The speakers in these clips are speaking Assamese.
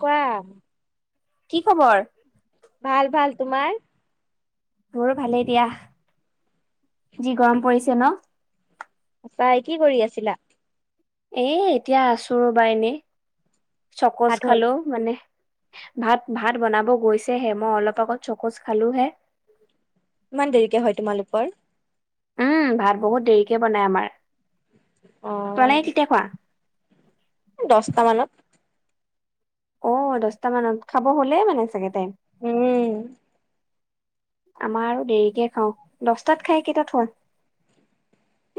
কোৱা কি খবৰ? ভাল ভাল তোমাৰ- মোৰো ভালেই দিয়া যি গৰম পৰিছে। ন তাই কি কৰি আছিলা। এ এতিয়া আছো ৰ'বা এনেই ভাত চকচ হ'ল খালেও মানে ভাত ভাত বনাব গৈছেহে মই অলপ আগত চকচ খালো হে ইমান দেৰিকে হয় তোমালোকৰ উম ভাত বহুত দেৰিকে বনাই আমাৰ অ তোমালোকে কেতিয়া খোৱা? [unintelligible] দহটা মানত অ দহটা মানত খাব হ'লেই মানে চাগে টাইম উম আমাৰ আৰু দেৰিকে খাওঁ দহটাত খাই কেইটাত শুৱা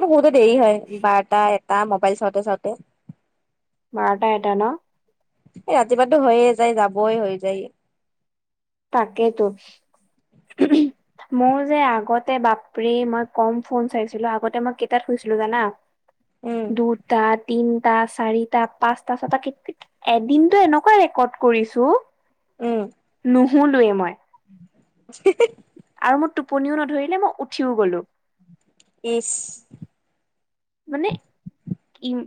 মোৰ শুওতে দেৰি হয় বাৰটা এটা মোবাইল চাওঁতে চাওঁতে বাৰটা এটা ন এই ৰাতিপুৱা টো হৈয়ে যায় যাবই হৈ যায় তাকেইতো মোৰ যে আগতে বাপৰে মই কম ফোন চাইছিলো আগতে মই কেইটাত শুইছিলো জানা উম দুটা তিনিটা চাৰিটা পাঁচটা ছটা এদিনটো এনেকুৱা ৰেকৰ্ড কৰিছো উম নোশুলোয়ে মই [unintelligible] আৰু মোৰ টোপনিও নধৰিলে মই উঠিও গলো ইছ্ মানে ইম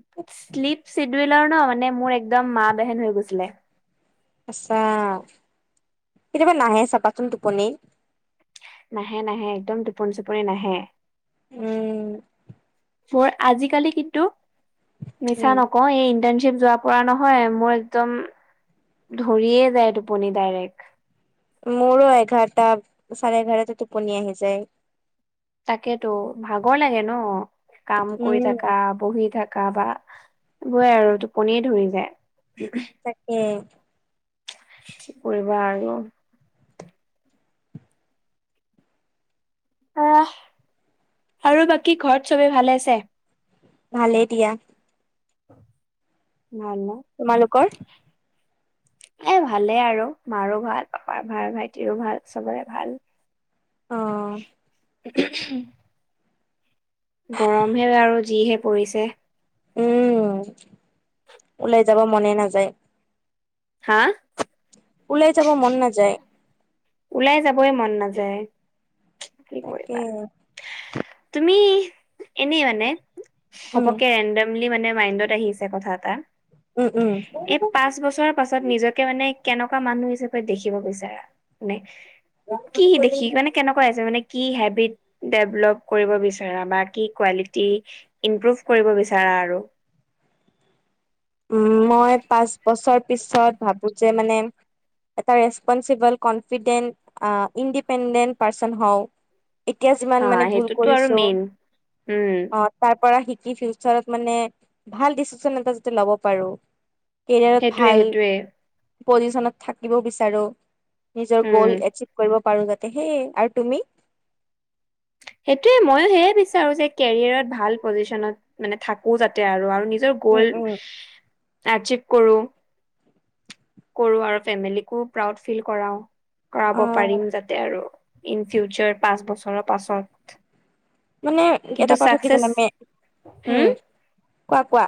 চ্লিপ চিবিল ন মানে মোৰ একদম মা বেহেন হৈ গৈছিলে আচ্ছা কেতিয়াবা নাহে চাবাচোন টোপনি নাহে নাহে একদম টোপনি চোপনি নাহে উম মই আজিকালি কিন্তু উম মিছা নকওঁ এই ইণ্টাৰট যোৱা পৰা নহয় মোৰ একদম ধৰিয়ে যায় টোপনি ডাইৰেক্ট মোৰো এঘাৰটা চাৰে এঘাৰটা টোপনি আহি যায় তাকেতো ভাগৰ লাগে ন কাম কৰি উম থকা বহি থাক থাকা বা হয়ে আৰু টোপনিয়ে ধৰি যায় তাকে কি কৰিবা আৰু আহ, আৰু বাকী ঘৰত চবে ভালে আছে? ভালেই দিয়া। ভাল ন? তোমালোকৰ এ ভালে আৰু, মাৰো ভাল, পাপাৰ ভাল, ভাইটিৰো ভাল, চবৰে ভাল। অ'। [unintelligible] গৰমহে বাৰু যিহে পৰিছে। উম', ওলাই যাব মনে নাযায়। হা? ওলাই যাব মন নাযায়। ওলাই যাবই মন নাযায়। কি তাকে। কৰিবা তুমি এনেই মানে উম ঘপকৈ ৰেনডমলি মানে মাইণ্ডত আহিছে কথা এটা, উম উম এ পাঁচ বছৰ পাছত নিজকে মানে কেনেকুৱা মানুহ হিচাপে দেখিব বিচাৰা? নে কি দেখি মানে কেনেকুৱা আছে মানে কি হেবিট ডেভলপ কৰিব বিচাৰা বা কি কোৱালিটি ইম্প্ৰুভ কৰিব বিচাৰা আৰু উম মই পাঁচ বছৰ পিছত ভাবো যে মানে এটা ৰেচপনচিবল কনফিডেণ্ট ইণ্ডিপেণ্ডেণ্ট পাৰ্চন হও। এতিয়া যিমান হা মানে ভুল সেইটোতো আৰু কৰিছোঁ, মেইন উম অ', তাৰ পৰা শ কি ফিউচাৰত মানে ভাল ডিচিচন এটা যাতে ল'ব পাৰো। কেৰিয়াৰত সেইটোয়ে ভাল সেইটোয়ে পজিশনত থাকিব বিচাৰো। নিজৰ উম গ'ল এচিভ কৰিব পাৰোঁ যাতে সেইয় আৰু তুমি? সেইটোৱে মইো সেয়ে বিচাৰো যে কেৰিয়াৰত ভাল পজিচনত মানে থাকোঁ যাতে আৰু। আৰু [unintelligible] উম গ'ল, উম আচিভ কৰোঁ। কৰোঁ আৰু ফেমিলিকো প্ৰাউড ফিল কৰাও অ কৰাব পাৰিম যাতে আৰু। ইন ফিউচাৰ পাঁচ বছৰৰ পাছত। মানে কিন্তু এটা কথা কি চাকচেচ জানামে উম', কোৱা-কোৱা?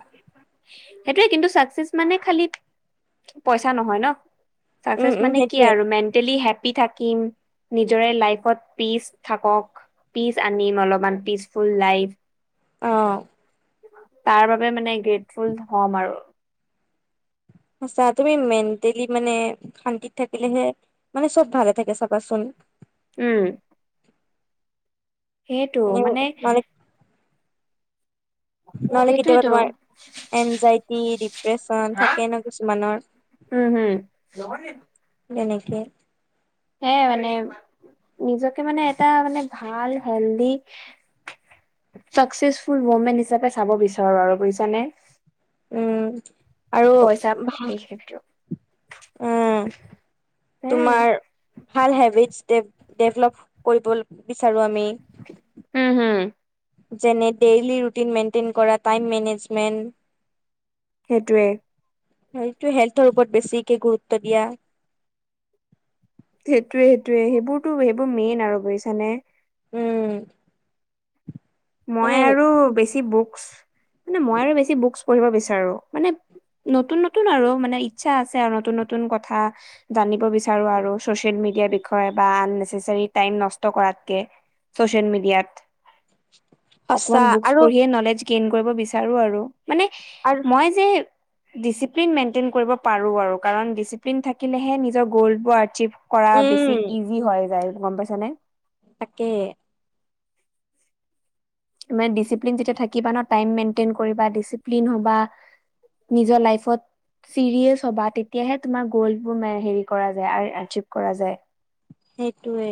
সেইটোৱে, কিন্তু চাকচেচ মানে খালি পইচা নহয় ন? উম চাকচেচ উম মানে কি সেইটোয়ে আৰু মেণ্টেলি হেপ্পি থাকিম। নিজৰে লাইফত পিচ থাকক, পিচ আনিম অলপমান, পিচফুল লাইফ। অ তাৰ বাবে মানে গ্ৰেটফুল হ'ম আৰু। আচছা তুমি মেণ্টেলি মানে শান্তিত থাকিলেহে মানে চ'ব ভালে থাকে চাবাচোন। উম'। সেইটো উ মানে নহলে নহলে কেতিয়াবা সেইটোয়েতো তোমাৰ এনজাইটি, দি প্ৰচন থাকে ন কিছুমানৰ। উম, হম যেনেকে হে মানে নিজকে মানে এটা মানে ভাল, হেলডি চাকচেচফুল উইমেন হিচাপে চাব বিচাৰো আৰু বুজিছানে? উম'। আৰু পইচা এই ক্ষেত্ৰ। উম', আৰু। তোমাৰ, ভাল হেবিটছ। ডেভলপ কৰিব বিচাৰো আমি উম', হম। যেনে ডেইলি ৰুটিন মেইনটেইন কৰা টাইম মেনেজমণ্ট। সেইটোৱে। সেইটো হেল্থৰ ওপৰত বেছিকে গুৰুত্ব দিয়া। সেইটোয়ে সেইটোয়ে সেইবোৰতো সেইবোৰ মেইন আৰু বুজিছানে? উম মানে মই আৰু বেছি বুক মই মানে আৰু বেছি বুকচ পঢ়িব বিচাৰো মানে নতুন নতুন আৰু মানে ইচ্ছা আছে আৰু নতুন নতুন কথা জানিব বিচাৰো আৰু চচিয়েল ইয়াৰ বিষয় বা আননেচেৰী টাইম নষ্ট কৰাত কে চচিয়াল মেডিয়াত। [inaudible] অকমান বুকচ আৰু পঢ়িয়ে নলেজ গেইন কৰিব বিচাৰো আৰু মানে আৰু মই যে ডিচিপ্লিন মেইনটেইন কৰিব পাৰোঁ আৰু কাৰণ ডিচিপ্লিন থাকিলেহে নিজৰ গ'ল বা আৰচিভ। কৰা বেছি উম ইজি হয় যায় গম পাইছ নে। তাকে। মানে ডিচিপ্লিন যেতিয়া থাকিব না টাইম মেইনটেইন কৰিবা ডিচিপ্লিন হ'বা। নিজৰ লাইফত। চিৰিয়েছ হবা তেতিয়াহে তোমাৰ গ'লবোৰ হেৰি কৰা যায় আৰচিভ কৰা যায়। সেইটোৱে।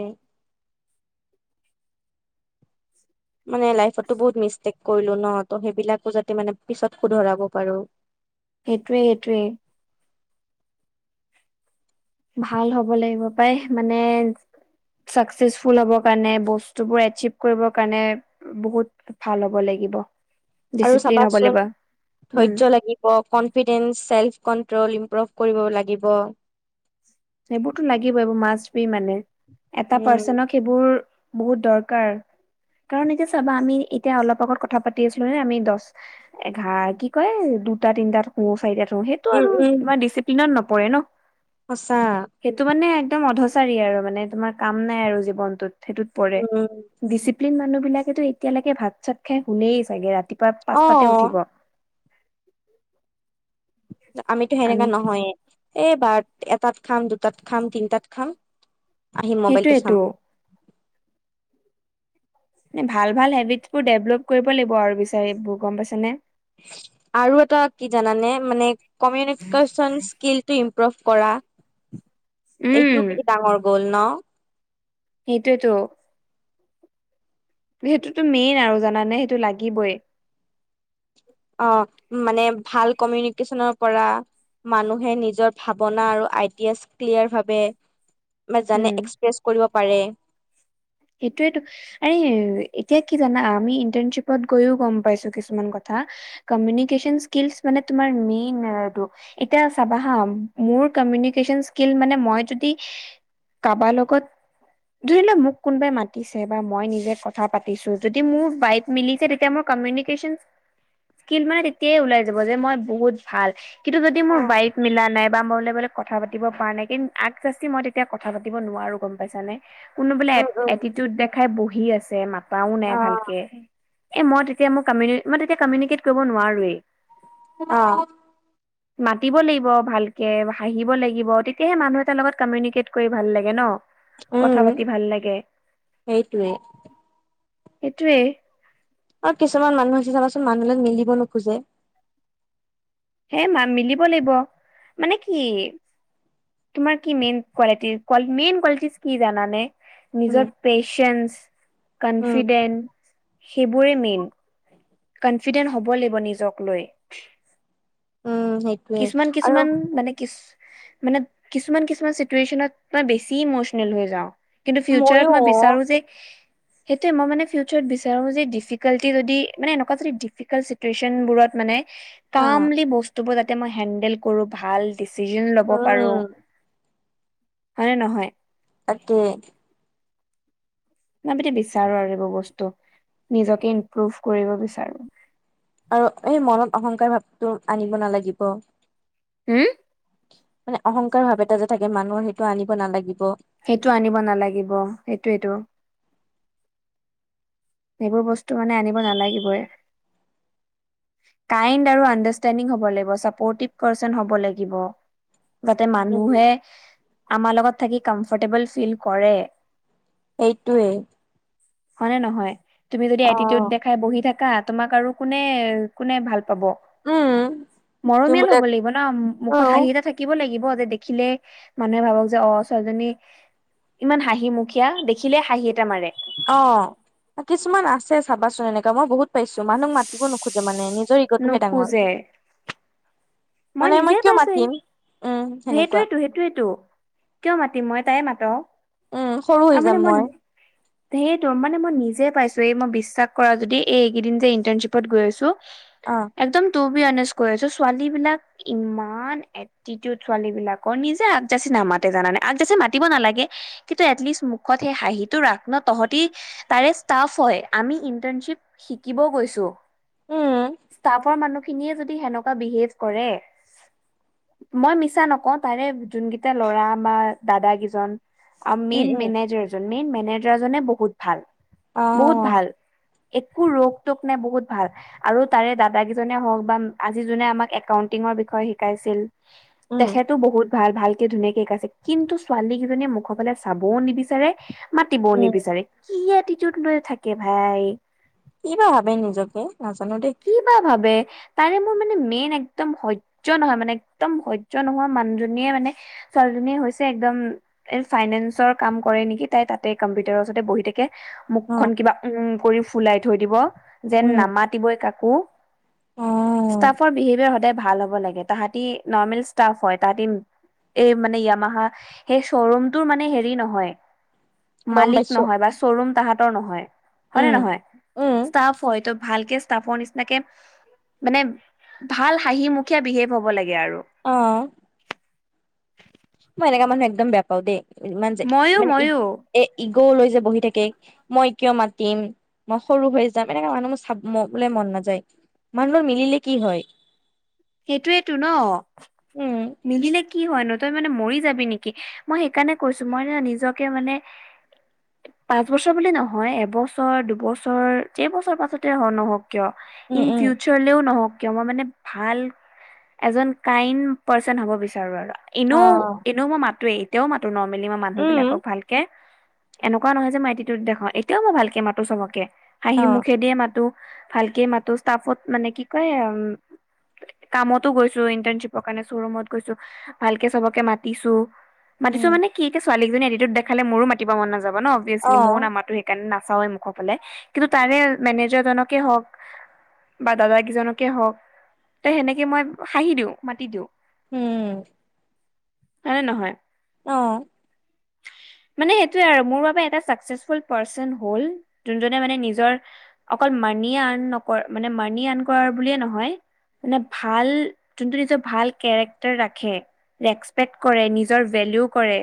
মানে লাইফতো বহুত মিষ্টেক কৰিলোঁ ন ত সেইবিলাকো যাতে মানে পিছত শুধৰাব পাৰোঁ। সেইটোৱেই-সেইটোৱেই। ভাল হ'ব লাগিব পাই, মানে চাকচেচফুল হব কাৰণে, বস্তুবোৰ এচিভ কৰিব কাৰণে, বহুত ভাল হ'ব লাগিব। লাগিব। আৰু ডিচিপ্লিন হ'ব চাবাচোন উম ধৈৰ্য লাগিব কনফিডেস চেল্ফ কন্ট্ৰল ইম্প্ৰভ। কৰিব লাগিব। সেইবোৰতো লাগিবই এইব মাষ্ট বি মানে এটা উম পাৰ্চনক সেইবোৰ। বহুত দৰকাৰ। কাৰণ এতিয়া চাবা আমি এতিয়া অলপ আগত কথা পাতি আছিলোঁ নে আমি দছ এঘাৰ কি কয়। দুটা তিনটাত শুও চাৰিটাত শুনো সেইটো উম আৰু উম ইমান ডিচিপ্লিনত নপৰে ন। সঁচা সেইটো মানে একদম অধচাৰী আৰু মানে তোমাৰ কাম নাই আৰু জীৱনটোত। সেইটোত পৰে উম ডিচিপ্লিন মানুহ বিলাকেতো এতিয়ালৈকে ভাত চাত খাই শুলেই চাগে ৰাতি। প্ৰায় অ পাঁচটাতে উঠিব। আমিতো সেনেকা আমি নহয়ে এই বাৰটা। এটাত খাম দুটাত খাম তিনটাত খাম আহি মোবাইলটো সেইটোয়েতো চাম। ভাল ভাল হেবিটছ বোৰ ডেভলপ কৰিব লাগিব আৰু বিচাৰ গম পাইছ নে। আৰু এটা কি জানানে মানে কমিউনিকচন স্কিল। ইম্প্ৰুভ কৰা উম এইটো কি ডাঙৰ গ'ল ন। সেইটোৱেতো। সেইটোতো মেইন আৰু জানানে সেইটো লাগিবই। অ মানে ভাল কমিউনিকেশ্যনৰ পৰা। মানুহে নিজৰ ভাৱনা আৰু আইডিয়াছ ক্লিয়াৰ ভাৱে। বা জানে উম। এক্সপ্ৰেছ কৰিব পাৰে। সেইটোয়ো আ এতিয়া কি জানা আমি ইন্টাৰনশ্বিপত গৈয়ও গম পাইছোঁ কিছুমান কথা। বা কমিউনিকেচন স্কীলছ মানে তোমাৰ মেইন এতিয়া চাবা হা মোৰ। কমিউনিকেচন স্কীলছ মানে মই যদি কাবাৰ লগত যদি ন মোক। কোনোবাই মাতিছে বা মই নিজে কথা পাতিছোঁ যদি মোৰ বাইফ মিলিছে তেতিয়া মোৰ কমিউনিকেচন। স্কিল মানে তেতিয়াই ওলাই যাব যে মই বহুত ভাল কিন্তু যদি মোৰ অ' বাইফ মিলা নাই বা মই। কথা পাতিব পৰা নাই কিন্ত আগজাছি মই তেতিয়া কথা পাতিব নোৱাৰো গম পাইছা নে কোনোবোলে। উম, উম। এটিটিউড দেখাই বহি আছে মাতাও নাই অ', ভালকে। এ মই তেতিয়া মোৰ কমিউ মই তেতিয়া কমিউনিকেট কৰিব নোৱাৰোৱেই। অ। মাতিব লাগিব ভালকে হাঁহিব লাগিব তেতিয়াহে মানুহ এটাৰ লগত কমিউনিকেট কৰি ভাল লাগে। ন কথা পাতি ভাল লাগে। সেইটোৱে। সেইটোৱে। আৰু কিছুমান মানুহ আছে চাবাচোন মানুহলৈ মিলিব নোখোজে। হে মা মিলিব লাগিব মানে কি। তোমাৰ কি মেইন কোৱালিটি মেইন কোৱালিটি কি জানানে। উম। নিজৰ পেচেন্ঞ্চ উম, কনফিডেন্স সেইবোৰে মেইন। কনফিডেন্ট হ'ব লাগিব নিজক লৈ। উম, সেইটোয়ে কিছুমান আৰু কিছুমান মানে কি। মানে কিছুমান কিছুমান চিটুৱে্যনত মই বেছি ইমচনেল হৈ যাওঁ। কিন্তু ফিউচাৰত ময়ো মই বিচাৰো যে সেইটোৱে মই মানে ফিউচাৰত বিচাৰো যে ডিফিকাল্টি যদি মান এনেকোৱা যদি ডিফিকালট চিটুৱেচনবোৰত মানে অ' কামলি বস্ত যাতে মই হেডেল কৰো ভাল ডিচিজন ল'ব পাৰো। উম। হয়নে নহয়? তাকে। মাপিতি বিচাৰো আৰু এইবোৰ বস্তু নিজকে ইমপ্ৰভ কৰিব বিচাৰো। আৰু এই মনত অহংকাৰ ভাৱটো আনিব নালাগিব। হো মানে অহংকাৰ ভাৱ এটা যে থাকে মানুহৰ সেইটো আনিব নালাগিব। সেইটো আনিব নালাগিব সেইটোয়েটো। সেইবোৰ বস্তু মানে আনিব নালাগিবই। কাইণ্ড আৰু আণ্ডাৰষ্টেণ্ডিং হ'ব লাগিব ছাপ'ৰ্টিভ পাৰ্চন হ'ব লাগিব। যাতে উম। মানুহে আমাৰ লগত থাকি কম্ফৰ্টেবল ফিল কৰে। এইটোৱেই। হয় নে নহয়? তুমি যদি এটিটিউড দেখাই বহি থাকা তোমাক আৰু কোনে কোনে ভাল উম তুমি মৰমিয়াল বোলে হব লাগিব ন, অ মুখত হাঁহি এটা থাকিব লাগিব। যে দেখিলে মানুহে ভাবক যে অ ছোৱালী জনী ইমান হাঁহি মুখীয়া দেখিলে হাঁহি এটা মাৰে। অ, কিছুমান আছে চাবাচোন এনেকা মই বহুত পাইছো। মানুহক মাতিব নোখোজে মানে নিজ নুখোজে। মই মানে নিজে কিয় পাইছো মাতিম উম সেনেকুৱা সেইটোৱেই তো সেইটোয়েইটো। কিয় মাতিম মই তাই মাতো উম সৰু হৈ তাৰ যাম মানে মই সেই ত মানে মই নিজে পাইছো এই মই বিশ্বাস কৰা যদি এইকেইদিন যে ইন্টাৰ্নশ্বিপত গৈ আছো। অ একদম তোৰ বি অনেষ্ট কৈ আছো ছোৱালী বিলাক ইমান এটিটিউড ছোৱালী বিলাকৰ নিজে আগজাচি নামাতে জানে আগজাচি মাতিব নালাগে। কিন্তু এটলিচ মোখত হে হাহি ৰাখ ন তসতি তাৰে ইচতাপ হয় আমি ইন্টাৰ চিপ- বিকিব গৈছো উম ইচটাপৰ মানুহখিনি যদি সেনেকোবো বিহেপ- কৰে। মই মিছা নকও তাৰে যোনকেইটা ল'ৰা বা দাদা কেইজন আৰু উম মেইন উম মেনেজাৰজন মেইন মেনেজাৰজনে বহুত ভাল। অ। বহুত ভাল একো ৰোগ টোক নাই বহুত ভাল আৰু তাৰে দাদা কেইজনে হওক বা আজিজনে আমাক বিষয়ে শিকাইছিল উম তেখেত বহুত ভাল ভাল। এতিয়া ধুনীয়াকে শিকাইছে কিন্তু ছোৱালী কেইজনীয়ে মুখৰ ফালে চাবও নিবিচাৰে মাতিবও উম নিবিচাৰে। কি এটিটিউড থাকে ভাই। কি বা ভাবে নিজকে। নাজানো দেই কি বা ভাবে? তাৰে মোৰ মানে মেইন একদম সহ্য নহয় মানে এক্দম সহ্য নহয় মানুহজনীয়ে মানে ছোৱালীজনীয়ে হৈছে একদম এ ফাইনেন্সৰ কাম কৰে নেকি তাই তাতে কম্পিউটাৰৰ ওচতে বহি থাকে। অ মুখখনন কিবা উম কৰি ফুলাই থৈ দিব যেন উম নামাতিবই কাকো। অ ষ্টাফৰ বিহেভিয়াৰ সদায় ভাল হ'ব লাগে তাহতি নৰ্মেল ষ্টফ হয়। তাহাতি এই মানে য়ামাহা সেই শ্বৰুমটোৰ মানে হেৰি নহয়। গম মালিক পাইছো নহয় বা শ্বৰুম তাহাত নহয়। হয় নে উম নহয়? উম ষ্টাফ হয়তো ভালকে ষ্টাফৰ নিচিনাকে মানে ভাল হাঁহি মুখীয়া বিহেভ হব লাগে আৰু। অহ। মই এনেকা মানুহ একদম বেয়া পাও দেই ইমান যে ময়ো মানে ই ময়ো এ ইগ লৈ যে বহি থাকে মই কিয় মাতিম, মই সৰু হৈ যাম এনেকা মানুহ মোৰ চাব বোলে মন নাযায়। মানুহ মিলিলে কি হয়? সেইটোয়েটো ন উম মিলিলে কি কি হয় ন তই মানে মৰি যাবি নেকি? মই সেইকাৰণে কৈছো মই নিজকে মানে পাঁচ বছৰ বুলি নহয় এবছৰ দুবছৰ যেইবছৰ পাছতে হ নহওক কিয় উম ইন উম ফিউচাৰলেও নহওঁক কিয় মই মানে ভাল- এজন কাইণ্ড পাৰ্চন হ'ব বিচাৰোঁ আৰু অ এনেও এনেও মই মাতোয়েই। এতিয়াও মাতো নৰ্মেলি মই উম মানুহবিলাকক ভালকে। এনেকোৱা নহয় যে মই এটিটিওত দেখাও এতিয়াও মই ভালকে মাতো চবকে হাঁহি অ মুখে দিয়ে মাতো। ভালকে মাতো ষ্টাফত মানে কি কয়। উ কামতো গৈছোঁ ইন্টাৰণশ্বিপৰ কাৰণে শ্বৰুমত গৈছোঁ ভালকে চবকে মাতিছোঁ। মাতিছোঁ উম মানে কি এতিয়া ছোৱালীজনী এটিটিওত দেখালে মো মাতিব মন নাযাব ন। অ অভিয়েছলি ময়ো নামা মাতো সেইকাৰে না চাওৱে মুখৰ ফালে কিন্তু তাৰে মেনেজাৰ জনকে হওঁক। বা দাদা কিজনকে হওঁক ত সেনেকে মই হাঁহি দিওঁ মাতি দিওঁ। উম। হয়নে নহয়। অহ। মানে সেইটোয়ে আৰু মোৰ বাবে এটা চাকচেকফুল পাৰ্চন হ'ল যোনজনে মানে নিজৰ অকল মানিয়ে আৰ্ন নকৰ মানে মানি আৰ্ন কৰা বুলিয়ে নহয় মানে ভাল যোনটো নিজৰ ভাল কেৰেক্টাৰ ৰাখে ৰেচপেক্ট কৰে নিজৰ ভেলিউ কৰে